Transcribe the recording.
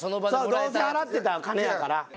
どうせ払ってた金やから。